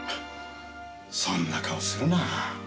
そんな顔するな。